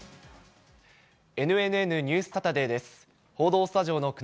ＮＮＮニュースサタデーです。